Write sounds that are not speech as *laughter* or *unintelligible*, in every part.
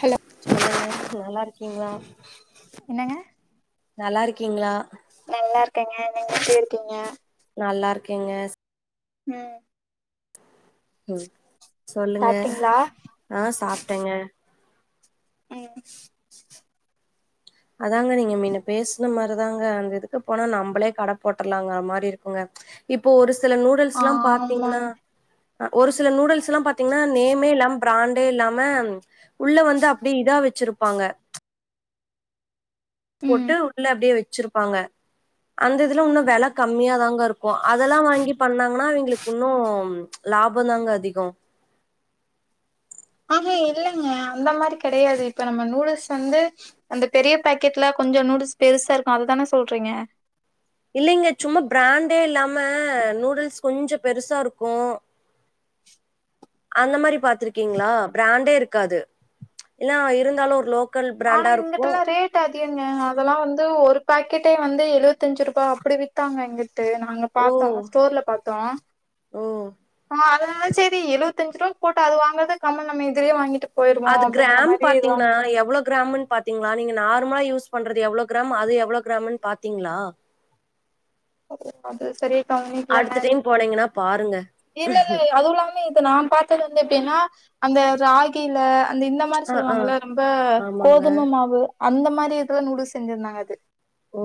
Hello சொல்லுங்க நல்லா இருக்கீங்ளா என்னங்க நல்லா இருக்கீங்களா நல்லா இருக்கேங்க நீங்க எப்டி இருக்கீங்க நல்லா இருக்கேங்க ம் ம் சொல்லுங்க சாப்ட்டீங்களா ஆ சாப்டேங்க ம் அதாங்க நீங்க மின்ன பேசுன மாரிதாங்க அந்த இதுக்கு போனா நம்பளே கட போட்ரலாங்கமாரி இருக்குங்க இப்போ ஒரு சில ஆ நூடுல்ஸ்லா பாத்தீங்ன்னா ஆமாங்க அ ஒரு சில நூடுல்ஸ் எல்லா பாத்தீங்கன்னா நேமே இல்லாம ப்ராண்டே இல்லாம உள்ள வந்து அப்டியே இதா வச்சுருப்பாங்க ம் போட்டு உள்ள அப்டியே வச்சுருப்பாங்க அந்த இதுல உன்னு வெல கம்மியாதாங்க இருக்கு அதெல்லா வாங்கி பண்ணாங்கன்னா இவெங்களுக் இன்னு லாபதாங்க அதிகோ ஆ ஹா இல்லைங்க அந்த மாரி கெடையாது இப்ப நம்ம நூடுல்ஸ் வந்து அந்த பெரிய பாக்கெட்ல கொஞ்ச நூடுல்ஸ் பெருசா இருக்கு அதுதான சொல்றீங்க இல்லைங்க சும்மா ப்ராண்டே இல்லாம நூடுல்ஸ் கொஞ்ச பெருசா இருக்கு அந்த மாரி பாத்துருக்கீங்களா ப்ராண்டே இருக்காது இல்ல இருந்தாலு ஒரு லோக் ஆனா இங்கிட்டெல்லா ரேட் ட்டு அதிகங்க அதெல்லா வந்து ஒரு பாக்கெட்டே வந்து எழுவத்தஞ்சு ரூபா அப்டி வித்தாங்க இங்குட்டு நாங்க ஓ! பார்த்தோ ஸ்டோர்ல பார்த்தோ ஓ! ஆமா அதுனால செரி எழுவத்தஞ்சு ரூபா போட்டு அது வாங்கறதுக்கு கம்மல் நம்ம இதுலயே வாங்கிட்டு போயிருவோ அது அப்டிங்கிற கிராம் மாரி இது பாத்தீங்னா வாங்குச்சு எவ்ளோ கிராமுன் பாத் திங்லா நீங்க நார்மலா யூஸ் பண்றது எவ்ளோ கிராம் அது எவ்ளோ கிராம்னு பாத்தீங்ளா அது சரியா கவனிக்லங்க அடுத்த டைம் போனீங்கன்னா பாருங்க. இல்லல்ல அதுவு இல்லாமே நா பாத்தது வந்து எப்டின்னா அந்த ராகில அந்த இந்தம் இந்த மாரி ஆ, ஆ. சொல்லுவாங்கல்ல ரொம்ப ஆமாங்க. கோதும மாவு அந்த மாரி இதுல நூடுல்ஸ் செஞ்சுருந்தாங்க அது ஓ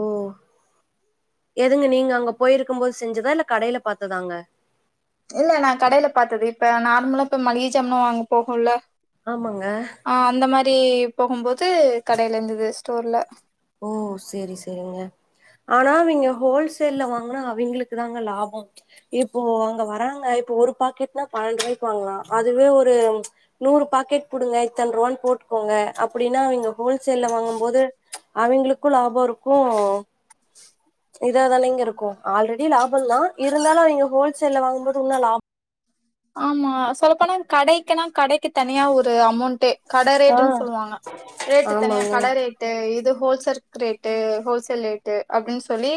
எதுங்க நீங்க அங்க போயிருக்கும் போது செஞ்சதா இல்ல கடையில பாத்ததாங்க இல்ல நா கடையில பாத்தது இப்ப நார்மலா இப்ப மளிகை சாமனு வாங்க போகுல்ல ஆமாங்க ஆ அந்த மாரி போகும் போது கடையில இருந்துது ஸ்டோர்ல ஓ செரி செரிங்க ஆனா அவிங்க ஹோல்சேல்ல வாங்குனா அவிங்களுக்கு தாங்க லாபோ இப்போ அவுங்க வராங்க இப்போ ஒரு பாக்கெட்னா பன்னெண்டு ரூபாய்க்கு வாங்கலா அதுவே ஒரு நூறு பாக்கெட் குடுங்க இத்தன் ரூவான்னு போட்டுக்கோங்க அப்புடின்னா அவெங்க ஹோல்சேல்ல வாங்கும் போது அவெங்களுக்கு லாபோ இருக்கு இதா தானேங்க இருக்கு ஆல்ரெடி லாபந்தா இருந்தாலு அவெங்க ஹோல்சேல்ல வாங்கும் போது உன்னு லாபோ ஆமா சொல்லப்போனா கடைக்குனா கடைக்கு தனியா ஒரு அமௌண்ட்டே கட ஆ ரேட்டுன் சொல்வாங்க ரேட்டு தனியா ஆமாங்க கட ரேட் ட்டு இது ஹோல்செர்க் ரேட்டு ஹோல்சேல் ரேட்டு அப்டின் சொல்லி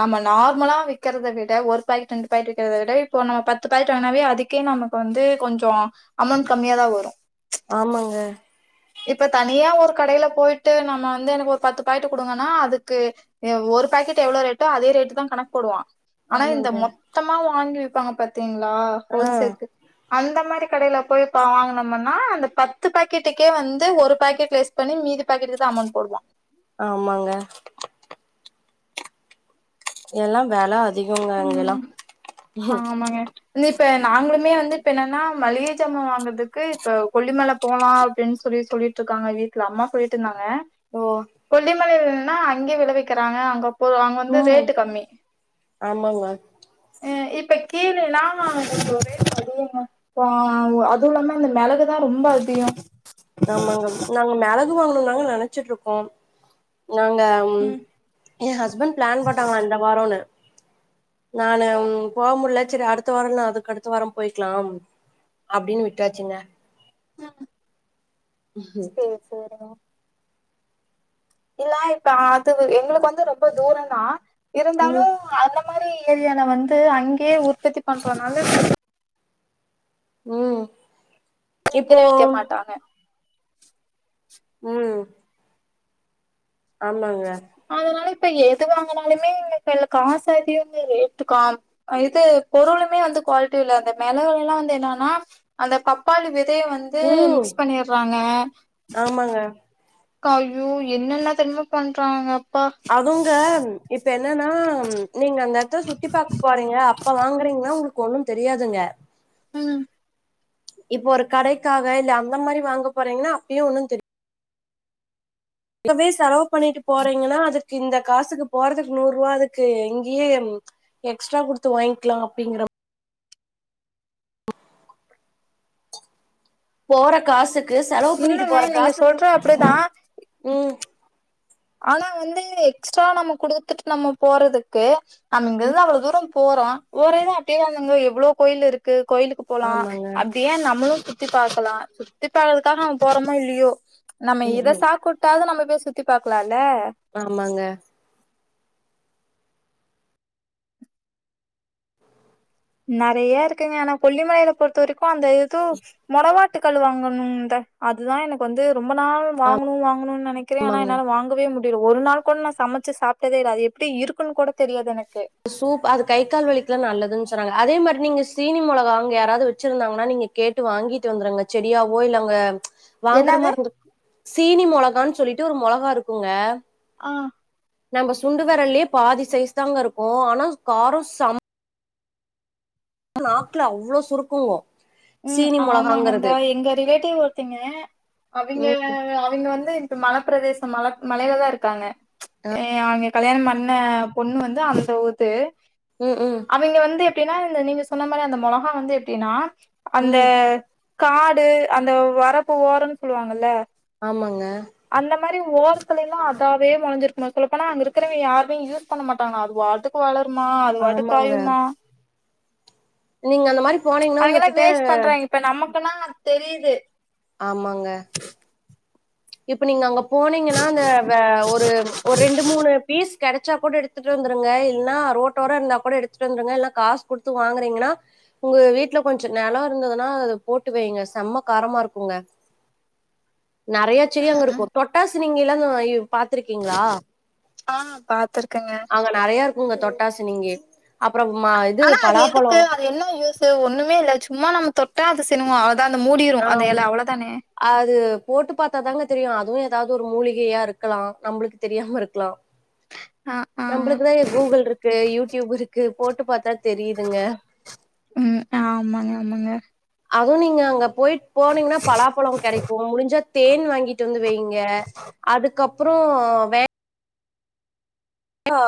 நம்ம நார்மலா விக்கறத விட ஒரு பாக்கெட் ரெண்டு பாக்கெட் விக்றத விட இப்போ நம்ம பத்து பாக்கெட் வாங்குனாவே அதி க்கே நமக்கு வந்து கொஞ்சோ அமௌண்ட் கம்மியாதா வரு ஆமாங்க இப்ப தனியா ஒரு கடையில போய்ட்டு நம்ம வந்து எனக்கு ஒரு பத்து பாக்கெட்டு குடுங்கன்னா அதுக்கு ஏ ஒரு பக்கெட் எவ்ளோ ரேட்டோ அதே ரேட்டு தா கணக்கு போடுவா ஆனா இந்த ஆமாங்க மொத்தமா வாங்கி விப்பாங்க பாத்தீங்ளா ஆ ஹோல்சேல்கு அந்த மாரி கடையில போய் பா வாங்குனமுன்னா அந்த பத்து பாக்கெட்டுக் கே வந்து ஒரு பக்கெட் லெஸ் பண்ணி மீதி பாக்கெட்க்கு தா அமோண்ட் போடுவா ஆமாங்க எல்லா வெல அதி ம் ஆமாங்க வந்து இப்ப நாங்களுமே வந்து இப்ப என்னன்னா மளிக சாமா வாங்கற்துக்கு இப்ப கொல்லிமல போலா அப்டின் சொல்லி சொல்லிட் ருக்காங்க வீட்ல அம்மா போயிட் இருந்தாங்க ஓ கொல்லிமலலனா அங்கே விளைவிக்கறாங்க அங்க போ அங்க வந்து ம் ரேட்டு கம்மி ஆமாங்க அ இப்ப கீலேலா *unintelligible* ஒரே *unintelligible* ங்க போ வ் அதுவுஇல்லாம இந்த மெளகுதா ரொம்ப அதிகோ ஆமாங்க நாங்க மெளகு வாங்கணு தாங்க நெனச்சிட்ருக்கோ நாங்க ம் எ ஹஸ்பண்ட் பிளான் போட்டாங்களா இந்த வாரோன்னு நானு போ முட்ல சேரி அடுத்த வாரோ இல்னா அதுக் கடுத்த வாரோம் போயிக்லாம் அப்டின்னு விட்டாச்சிங்க ம் சேர் சேரிங்க இல்ல இப்ப அது வ எங்களுக்கு வந்து ரொம்ப தூரந்தா இருந்தாலு ம் அந்த மாரி ஏரியால வந்து அங்கே உற்பத்தி பண்றனால ம் இப்போ விக்கறே விக்க மாட்டாங்க ம் ஆமாங்க அதனால இப்ப எது வாங்கனாலுமே இப்பெல்லா காசு அதிகோங்க ரேட்டு காம் அ இது பொருளுமே வந்து குவாலிட்டி இல்ல அந்த மெளகெலா வந்து என்னானா அந்த பப்பாளி விதய வந்து மிக்ஸ் பண்ணிறாங்க ஆங்க கா ஐயோ என்னென்ன தெரியுமா பண்றாங்க அப்பா அதுவுங்க இப்ப என்னனா நீங்க அந்த எடத்ல சுத்தி பாக்க போறீங்க அப்ப வாங்றீங்னா உங்ளுக்கு ஒண்ணு தெரியாதுங்க ம் இப்போ ஒரு கடைக்காக இல்ல அந்த மாரி வாங்க போறீங்னா அப்பயு ஒன்னு தெரி இப்பவே செலவு பண்ணிட்டு போறீங்கனா அதுக்கு இந்த காசுக்கு போறதுக்கு நூறு ரூவா அதுக்கு இங்கயே ம் எக்ஸ்ட்ரா குடுத்து வாங்கில்லா அப்டிங்கிற போற காசுக்கு செலவு பண்ணிட்டு இல்லங்க போற நீங்க காசுக்கு சொல்ற அப்டிதா ம் ஆனா வந்து எக்ஸ்ட்ரா நம்ம குடுத்துட்டு நம்ம போறதுக்கு அங்கருந்து அவ்ளோ‌ தூரம் போறோ ஒரேயிதா அப்டே அங்க அங்க எவ்ளோ கோயில் இருக்கு கோயிலுக்கு போலா ஆமாங்க அப் டியே நம்மளு சுத்தி பாக்கலா சுத்தி பாக்கற்துக்காக நம்ம போறோமோ இல்லியோ நம்ம இத ம் சாக்குட் டாது நம்ம போய் சுத்தி பாக்கலால ஆமாங்க நறைய இருக்குங்க ஆனா கொல்லிமலைல பொறுத்த வரைக்கு அந்த எதோ மொடவாட் ட்டு கல்லு வாங்கணுந்த அதுதா எனக்கு வந்து ரொம்ப நாள் வாங்ணு வாங்கணுன் நெனக்கிறே ஆனா ஆமாங்க என்னால வாங்கவே மு டில ஒரு நாள் கூட நா சமச்சு சாப்ட்டதே இல்ல அது எப்டி இருக்குன் கூட தெரியாது எனக்கு சூப் அது கை கால் வலிக்குல்லா நல்லதுன் சொன்னாங்க அதே மாரி நீங்க சீனி மொளகா அங்க யாராவுது வச்சிருந்தாங்கன்னா நீங்க கேட்டு வாங்கிட்டு வந்துருங்க செடியாவோ இல்ல அங்க வாங்கற என்னது மாரிந்து சீனி மொளகான் சொல்லிட்டு ஒரு மொளகா இருக்குங்க அ நம்ம சுண்டு வெரல்லே பாதி சைஸ் தாங்க இருக்கு ஆனா காரோ செம் நாக்குல அவ்ளோ சுருக்குங்கு ம் ஆமாங்கந்த எங்க ரிலேட்டிவ் ஒருத்தைங்க அவைங்க ம் அவைங்க வந்து மலப் பிரதேசம் மல மலைல தா இருக்காங்க எ அங்க கல்யாணம் பண்ண பொண்ணு வந்து அந்த ஊத்து ம் ம் அவிங்க வந்து எப்டின்னா இந்த நீங்க சொன்ன மாரி அந்த மொளகா வந்து எப்டின்னா அந்த ம் காடு அந்த வரப்பு ஓரோன்னு சொல்லுவாங்கல்ல ஆமாங்க அந்த மாரி ஓரத்திலெல்லா அதாவே மொளஞ்சிருக்குமா சொல்லப்போனா அங்க இருக்கிறவை யாருமே யூஸ் பண்ண மாட்டாங்ளா அது பாட்டு க்கு வளருமா அது பாட்டுக்கு ஆமாங்க காயுமா நீங்க அந்த மாரி போனீங்ன்னா அவங்க எல்லாம் உங்ககிட்ட வேஸ்ட் பண்றாங்க இப்ப நமக்குன்னா தெரிது ஆமாங்க இப்ப நீங்க அங்க போனீங்கன்னா அந்த வெ ஒரு ஒரு ரெண்டு மூணு பீஸ் கெடச்சா கூட எடுத் துட்டு வந்துருங்க இல்ன்னா ரோட்டோரோ இருந்தா கூட எடுத்துட்டு வந்துருங்க இல்லன்னா காசு குடுத்து வாங்குறீங்கன்னா உங்க வீட்ல கொஞ்சோ நெலோ இருந்ததுன்னா அது போட்டு வைங்க செம்ம காரமா இருக்குங்க நறைய செடி ம் அங்கருக்கு ம் தொட்டா சிணுங்கில்லா நாறைவ் பாத்துருக்கீங்ளா ஆ பாத்திருக்கேங்க அங்க நறையா இருக்குங்க தொட்டா சிணுங்கி அப்றோ மா இது ஆனா அது பலாப்பழோ எதுக்கு அது என்ன யூசு ஒண்ணுமேல்ல சும்மா நம்ம தொட்டா அது சிணுங்கோ அவ்ளதா அந்த மூடிரூ அந்த ஆ எல அவ்ளோதானே அது போட்டு பாத்தாதாங்க தெரியு அதுவு ஏதாவது ஒரு மூலிகையா இருக்கலா நம்ளுக்கு தெரியாம இருக்கலா ஆ ஆ நம்பளுக்குதா கூகுள்ருக்கு யூடியூப் இருக்கு போட்டு பாத்தா தெரியுதுங்க ம் ஆமாங்க ஆமாங்க அதுவு நீங்க அங்க போயிட்டு போனீங்கன்னா பலாப்பழோ கெடைக்கோ முடிஞ்சா தேன் வாங்கிட்டு வந்து வை ங்க அதுக்கப்புறோ வே ங்கா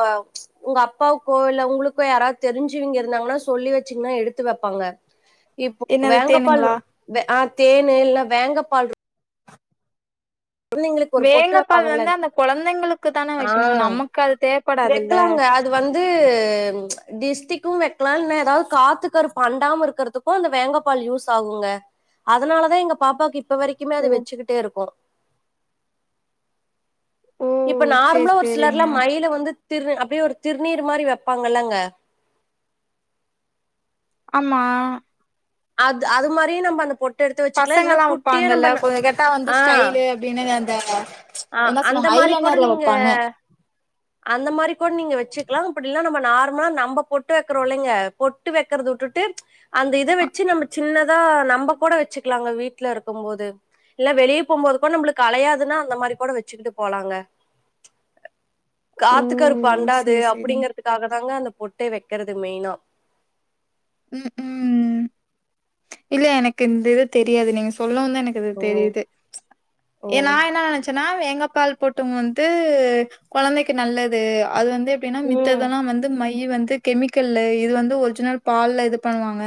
உங்க அப்பாவுக்கோ இல்ல உங்களுகோ யாராவது தெரிஞ்சுவேங்க இருந்தாங்கனா சொல்லி வச்சீங்னா எடுத்து வெப்பாங்க இப்போ என்னது வேங்க பால் தேனுங்களா வே ஆ தேனு இல்ல வேங்க பால்ரு கொழந்தைங்களுக்கு ஒரு பொட்டு வேங்கப்பால் வைப்பாங்கள வந்து அந்த குழந்தைங்களுக்கு தானே ஆ வைக்கணும் நமக்கு அது தேவைப்படாதுல்ல வெக்கலாமுங்க அது அது வந்து டிஸ்டிக்கு வெக்கலா இல்ல ஏதாவது காத்துக்கருப்பு அண்டாம இருக்கறதுக் கு அந்த வேங்க பால் யூஸாகுங்க அதனாலதா எங்க பாப்பாக்கு இப்ப வரைக்குமே அத ஓ வச்சுக்கிட்டே இருக்கோ ஓ இப்ப சேரி நார்மலா ஒரு சேரிங்க சிலர்ல்லா மயில வந்து திரு அப்டியே ஒரு திருநீர் மாரி வெப்பாங்கல்லங்க ஆமா அது அது மாரி நம்ம அந்த பொ பசங்கல்லா வெப்பாங்கல்ல கொஞ்சோ கேட்டா வந்து ஸ்டைலு அப்டின்னு அந்த அஆ என்ன அந்த சொல்லுவாங்க மாரி கூட ஐலைனர்ல நீங்க வைப்பாங்க அந்த மாரி கூட நீங்க வெச்சுக்கலா அப்டில்லன்னா நம்ம நார்மலா நம்ப பொட்டு வெக்கறோல்லைங்க பொட்டு வைக்கறத உட்டுட்டு அந்த இத வெச்சி நம்ப சின்னதா நம்ப கூட வெச்சுக்கலாங்க வீட்லருக்கும் போது இல்ல வெளிய போம்போது கூட நம்பளுக்கு கலையாதுன்னா அந்த மாரி க்கூட வெச்சுக்கிட்டு போலாங்க ஓ காத்துக்கருப்பு அண்டாது சேரி சேரிங்க அப்டிங்கற துக்காகதாங்க அந்த பொட்டே வெக்கறது மெயினா ம் ம் இல்ல எனக்கு இந்த இது தெரியாது நீங்க சொல்லவு தா எனக்கு இது ஓ தெரியுது ஓ ஏ நா என்ன நெனச்சன்னா வேங்கப்பால் போட்டும் வந்து கொழந்தைக்கு நல்லது அது வந்து எப்டின்னா ம் மித்ததெல்லா வந்து மை ய் வந்து கெமிக்கல்லு இது வந்து ஒரிஜினல் பால்ல இது பண்ணுவாங்க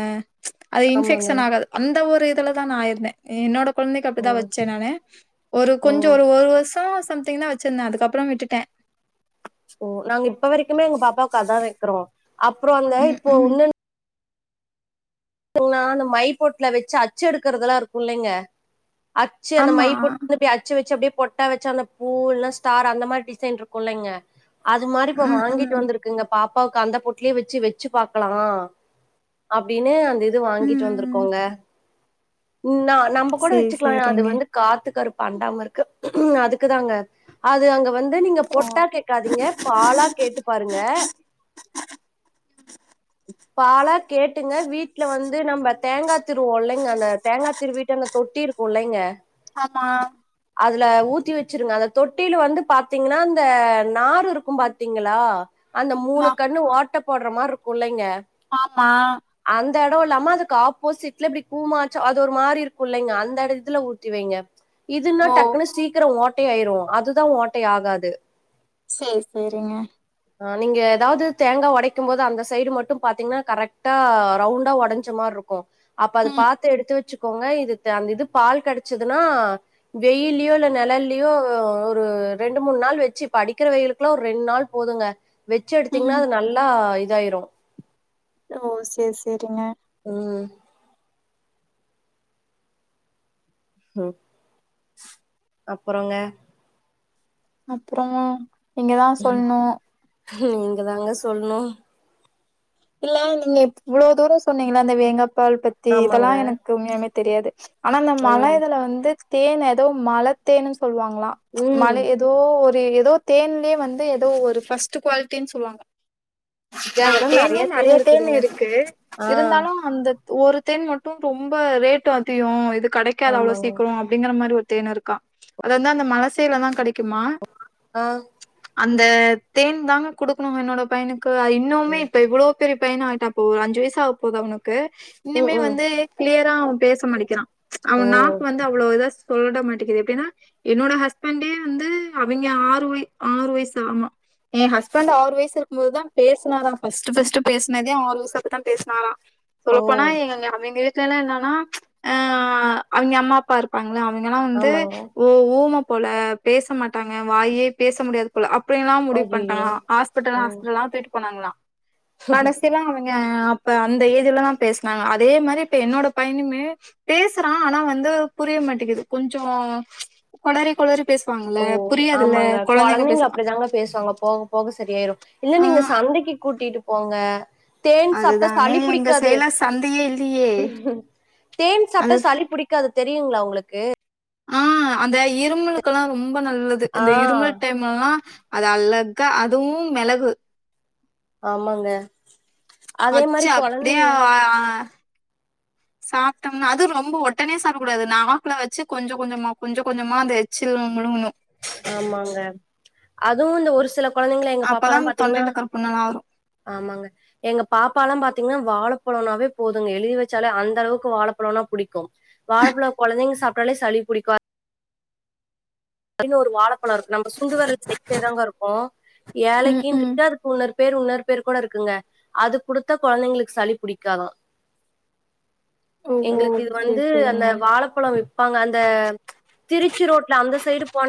அது ஆமாங்க இன்ஃபெக்ஷன் ஆகாது அந்த ஒரு இதுலதா நா இருந்தே என்னோட கொழந்தைக்கி ஓ அப்டிதா வச்சே நானு ஒரு ஓ கொஞ்சோ ஒரு ஒரு வருஷோ சம்திங் தா வச்சிருந்தே அதுக்கப்புறோ விட்டுட்டே ஓ நாங்க இப்ப வரைக்குமே எங்க பாப்பாவுக்கதா வைக்கிறோ அப்புறோ அந்த ம் இப்போ ம் *inaudible* ன்னா அந்த மைப்போட்ல வெச்சு அச்சு எடுக்கறதெல்லா இருக்கு இல்லைங்க அச்சு அந்த மை ஆமா போட்டு அச்சு வச்சு அப்டியே போட் டா வச்சா அந்த பூ இல்ல ஸ்டார் அந்த மாரி டிசைன் இருக்குல்லங்க அது மாரி இப்ப ம் வாங்கிட்டு ம் வந்துருக் குங்க பாப்பாவுக்கு அந்த பொட்லேயே வச்சு வச்சு பாக்கலா அப்டின்னு அந் இது ம் வாங்கிட்டு ம் வந்திருக்கோங்க ம் நா நம்ம கூட சேரி வச்சுக்கலா அது சேரிங்க வந்து காத்து கருப்பு அண்டாம இருக்க அதுக்குதாங்க அது அங்க வந்து அது நீங்க ஓ பொட்டா கேக்காதீங்க பாலா கேட்டு பாருங்க பாலா கேட்டுங்க வீட் ட்டுல வந்து நம்ம தேங்கா திருவோ இல்லைங்க அந்த தேங்கா திருவீட்டு அந்த தொட்டி இருக்கு இல்லைங்க ஆமா அதுல ஊத்தி வச்சிருங்க அந்த தொட்டில வந்து பாத்தீங்கனா இந்த நாறு இருக்கு பாத்தீங்களா அந்த நா மூணு கண்ணு ஓட்ட போடுற மார் இருக்கு இல்லைங்க ஆமா அந் அந்த எடோ இல்லாம அதுக்கு ஆப்போசிட்ல இப்டி கூமாச்ச அது ஒரு மாரி இருக்கு இல்லைங்க அந்த எடத்துல ஊத்தி வைங்க இதுனா ஓ டக்குன்னு சீக்கிறோ ஓட்டை ஆயிரு அதுதா ஓட்டையாகாது சேரி சேரிங்க நீங்க ஏதாவது தேங்கா உடைக்கும் போது அந்த சைடு மட்டு பாத்தீங்கனா கரெக்டா ரவுண் உடஞ்ச மாரி இருக்கு அப்ப அது ம் பாத்து எடுத்து வச்சுக்கோங்க இது அந்த இது பால் கெடைச்சதுனா வெயில்லயோ இல்ல நிலல்லயோ ஒரு ரெண்டு மூணு நாள் வச்சு இப்ப அடிக்கிற வெயிலுக்கு இன்னோ ஒரு ரெண்டு நாள் போதுங்க வச்சு எடுத்தீங்கனா ம் அது நல்லா இதாயிரு ஓ சேரி சேரிங்க ம் ம் அப்றோங்க அப்றோ நீங்கதா சொல்ணு நீங்க தாங்க சொல்ணு இல்ல நீங்க இவ்ளோ தூரோ சொன்னீங்கள அந்த வேங்கா பால் பத்தி இதெல்லா ஆமாங்க எனக்கு உண்மையலுமே தெரியாது ஆனா அந்த ஓ மல இதுல வந்து தேன் ஏதோ மல தேன்னு சொல்லுவாங்களா ச் ம் மல ஓ ஒரு ஏதோ தேன்லயே வந்து ஏதோ ஒரு ஃபர்ஸ்ட் குவாலிட்டின்னு சொல்லுவாங்க க அதலா தேனே நெறைய தேனு இருக்கு இருந்தாலு அந்த ஒரு தேன் மட்டு ரொம்ப ரேட் அதிகோ இது கிடைக்காது அவ்ளோ ஆமாங்க சீக்கரோ அப்பிடிங்கிற மாரி ஒரு தேன் இருக்கா அது வந்து அந்த மல சேலதா கெடைக்குமா ஆ அந்த தேன் தாங்க குடுக்கணு என்னோட பையனுக்கு இன்னுமே எவ்ளோ பெரிய பையனா ஆயிட்டா அப்போ ஒரு அஞ்சு வயசு ஆக போது அவனுக்கு ம் இனிமே ம் வந்து கிளியரா அவ பேச மாட்டிக்கிறா அவ ஓ நாக்கு வந்து அவ்ளோ இதா சொலட மாட்டிக்கிது எப்டினா என்னோட ஹஸ்பண்டே வந்து அவங்கே ஆறு வய ஆறு வயசு ஆமா எ ஹஸ்பண்ட் ஆறு வயசு இருக்கு போதுதா பேசுனாரா பர்ஸ்ட் பர்ஸ்ட் பேசினதே ஆறு வயசு அப்றோ தா பேசுனாரா சொல்ல ஓ போனா எங்க அவிங்களே *unintelligible* என்னனா ச் அவிங்க அம்மா அப்பா இருக் பாங்கள அவங்கலா வந்து ஆமாங்க ஓ ஊம போல பேச மாட்டாங்க வாயே பேச முடியாது அப்டிலா முடிவு அய்யய்யோ பண்டாங்களா ஹாஸ்பிடல் ம் ஹாஸ்பிடலா தூக்கிட்டு போணாங்களா கடசில அவங்க அப்ப அந்த ஏஜிலதா பேசினாங்களா அதே மாரி இப்ப என்னோட பைய்னுமே பேசுறா ஆனா வந்து புரிய மாட்டிகுது கொஞ்சோ கொளறி கொளறி பேசுவாங்கல ஓ புரியாதுல கொழந்தைங்க பேசுனா பேசாங்கப்போ போக சரியாயிரு இல்ல நீங்க சந்தைக்கு கூட்டிட்டு போங்க தேன் சாப்ட்டா அதுதாங்க சளி எங்க புடிக்காது சைட்ல சந்தையே இல்லையே தேன் அது சாப்ட்டா சளி பிடி க்காது தெரியுங்களா உங்களுக்கு ஆ அந்த இருமலுக்கெல்லா ரொம்ப நல்லது ஆ இந்த இருமல் டைம் லலா அது அழகா அதுவு மெளகு ஆமாங்க அதே வச்சு மாரி அப்படியே கொழந்தைங்க ஆ, சாப்ட்டோம்னா அது ரொம்ப ஒடனே சாப்டக் கூடாது நவாப் பழோ வச்சு கொஞ்சொ கொஞ்சொமா கொஞ்சொம் கொஞ்சொமா அந்த எச் சில் முழுங்ணுங்க ஆமாங்க அதுவு இந்த ஒரு சில கொழந்தைங்க எங்க அப்பதா பாப்பால்லா அந்த பாத்தீங்கன்னா தொண்டைல இருக்கற புண்ணெல்லா ஆறு ஆமாங்க எங்க பாப்பால்லா பாத்தீங்கன்னா வாழப் பழனாவே போதுங்க எழுதி வச்சாலே அந்த அளவுக்கு வாழப்பழோனா புடிக்கு வாழப்பழோ கொழந்தைங்க சாப்ட்டாலே சளி பிடிக்கு பாருங்க ஒரு வாழப்பழோருக்கு நம்ம சுண்ட விரல் சைஸ்ல தாங்க இருக்கு ம் ஏழைக்கி ம் த அதுக்கு இன்னொரு பேர் இன்னொரு பேர் கூட இருக்குங்க அது குடுத்தா கொழந்தைங்களுக்கு சளி பிடிக்காத ஓஹோ எங்களுக்கு இது சேரி வந்து சேரிங்க அந்த வாழப்பழோ விப் பாங்க அந்த திருச்சி ரோட்ல அந்த சைடு போன